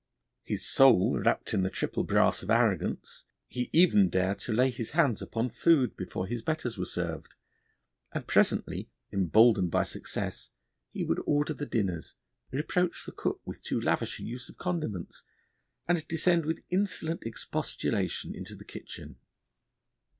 His soul wrapped in the triple brass of arrogance, he even dared to lay his hands upon food before his betters were served; and presently, emboldened by success, he would order the dinners, reproach the cook with a too lavish use of condiments, and descend with insolent expostulation into the kitchen.